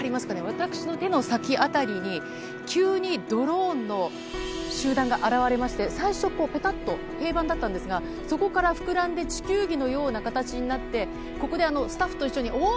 私の手の先辺りに急にドローンの集団が現れまして最初、パタッと平板だったんですがそこから膨らんで地球儀のような形になってここでスタッフと一緒におー！